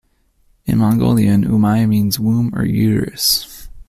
In Mongolian, "Umai" means 'womb' or 'uterus'.